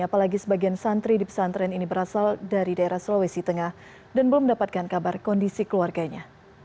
apalagi sebagian santri di pesantren ini berasal dari daerah sulawesi tengah dan belum mendapatkan kabar kondisi keluarganya